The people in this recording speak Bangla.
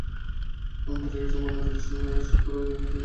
বুঝে গেছেন, বনের রাজা সিংহকে নিয়ে শ্যুট করা মোটেই মুখের কথা নয়।